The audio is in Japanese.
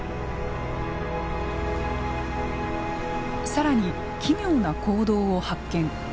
更に奇妙な行動を発見。